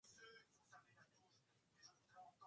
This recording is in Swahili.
Watu wengi waliamini dunia kuwa tambarare yenye umbo la duara